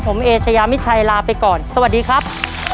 ผมเอเชยามิชัยลาไปก่อนสวัสดีครับ